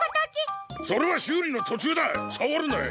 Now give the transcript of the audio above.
それはしゅうりのとちゅうださわるなよ。